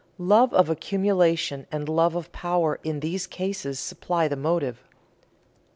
Love of accumulation and love of power in these cases supply the motive.